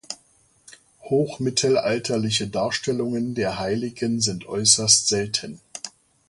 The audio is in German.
Hochmittelalterliche Darstellungen der Heiligen sind äußerst selten.